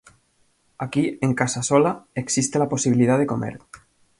Aquí, en Casasola, existe la posibilidad de comer.